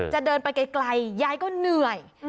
จะเดินไปไกลยายก็เหนื่อย